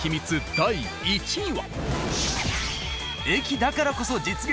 第１位は。